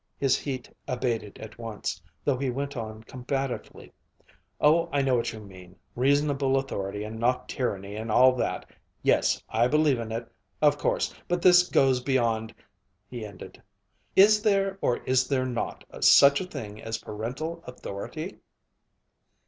His heat abated at once, though he went on combatively, "Oh, I know what you mean, reasonable authority and not tyranny and all that yes, I believe in it of course but this goes beyond " he ended. "Is there or is there not such a thing as parental authority?"